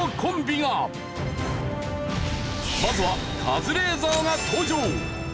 まずはカズレーザーが登場。